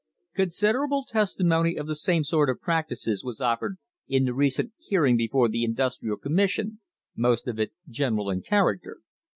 Considerable testimony of the same sort of practices was offered in the recent "hearing before the Industrial Commis sion," most of it general in character.